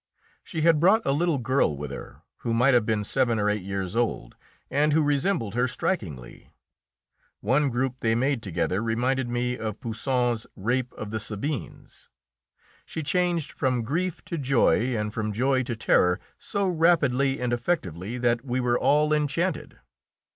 She had brought a little girl with her, who might have been seven or eight years old, and who resembled her strikingly. One group they made together reminded me of Poussin's "Rape of the Sabines." She changed from grief to joy and from joy to terror so rapidly and effectively that we were all enchanted.